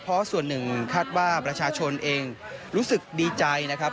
เพราะส่วนหนึ่งคาดว่าประชาชนเองรู้สึกดีใจนะครับ